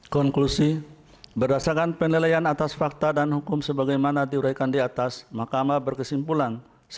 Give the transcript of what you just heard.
konklusi berdasarkan penilaian atas fakta dan hukum sebagaimana diuraikan di atas mahkamah berkesimpulan